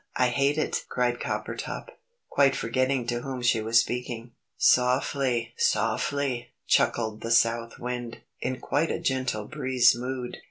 I hate it!" cried Coppertop, quite forgetting to whom she was speaking. "Softly, softly!" chuckled the South Wind, in quite a gentle breeze mood.